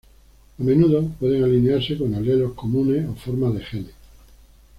A menudo pueden alinearse con alelos comunes o formas de genes.